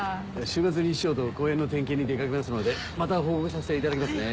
週末に市長と公園の点検に出掛けますのでまた報告させていただきますね。